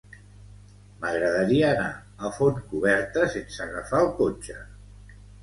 M'agradaria anar a Fontcoberta sense agafar el cotxe.